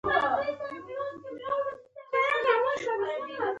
کابل د افغان لرغوني کلتور سره ډیر نږدې تړاو لري.